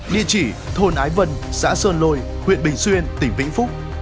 địa chỉ thôn ái vân xã sơn lôi huyện bình xuyên tỉnh vĩnh phúc